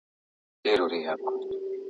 همدغه دروند دغه ستایلی وطن!